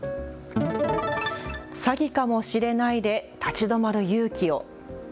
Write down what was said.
詐欺かもしれないで立ち止まる勇気を。